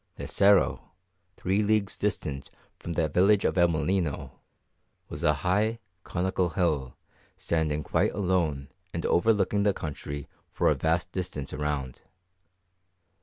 The Cerro, three leagues distant from the village of El Molino, was a high, conical hill standing quite alone and overlooking the country for a vast distance around.